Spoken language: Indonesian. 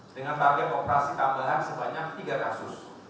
dengan target operasi tambahan sebanyak tiga kasus